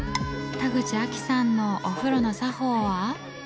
田口亜希さんのお風呂の作法は。